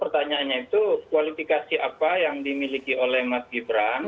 pertanyaannya itu kualifikasi apa yang dimiliki oleh mas gibran